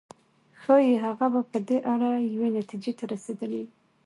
ښايي هغه به په دې اړه یوې نتيجې ته رسېدلی و.